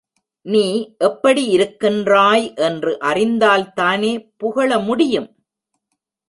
நீ எப்படி இருக்கின்றாய் என்று அறிந்தால்தானே புகழ முடியும்?